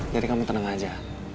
jadi kamu teneng aja